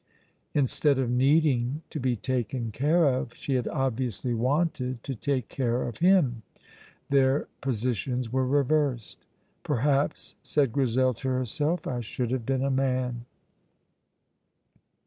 Instead of needing to be taken care of, she had obviously wanted to take care of him: their positions were reversed. Perhaps, said Grizel to herself, I should have been a man.